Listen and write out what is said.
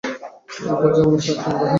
একবার যা বলি তাই চূড়ান্ত হয়ে যায়।